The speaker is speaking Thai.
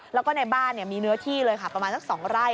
แล้วก็ในบ้านมีเนื้อที่เลยค่ะประมาณสัก๒ไร่